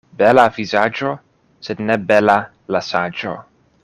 Bela vizaĝo, sed ne bela la saĝo.